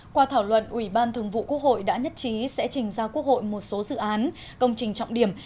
qua thảo luận ủy ban thường vụ quốc hội đã nhất trí sẽ trình ra quốc hội một số dự án công trình trọng điểm